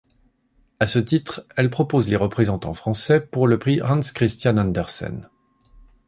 À ce titre, elle propose les représentants français pour le Prix Hans Christian Andersen.